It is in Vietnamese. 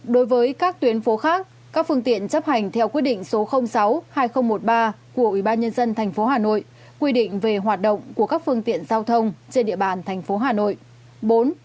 đối với các tuyến phố khác các phương tiện chấp hành theo quyết định số sáu hai nghìn một mươi ba của ubnd tp hà nội quy định về hoạt động của các phương tiện giao thông trên địa bàn thành phố hà nội